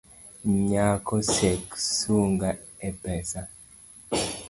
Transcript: Nyako sek sunga e pesa.